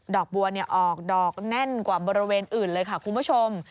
อกบัวออกดอกแน่นกว่าบริเวณอื่นเลยค่ะคุณผู้ชม